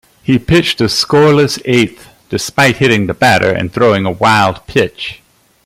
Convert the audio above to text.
He pitched a scoreless eighth despite hitting a batter and throwing a wild pitch.